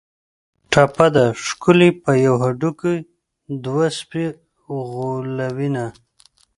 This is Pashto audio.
ټپه ده: ښکلي په یوه هډوکي دوه سپي غولوینه